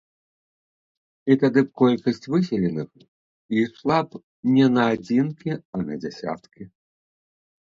І тады б колькасць выселеных ішла б не на адзінкі, а на дзясяткі.